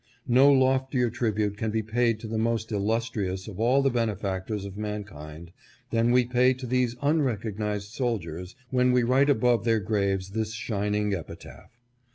"No loftier tribute can be paid to the most illustrious of all the benefactors of mankind than we pay to these unrecognized soldiers when we write above their graves this shining epitaph.